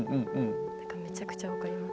だからめちゃくちゃ分かります。